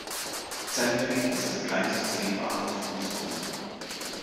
Zempin ist das kleinste Seebad auf Usedom.